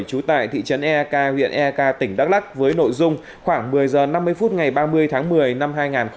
trú tại thị trấn eak huyện ek tỉnh đắk lắc với nội dung khoảng một mươi h năm mươi phút ngày ba mươi tháng một mươi năm hai nghìn hai mươi